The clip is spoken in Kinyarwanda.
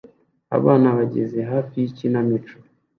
Abana bahagaze hafi yikinamico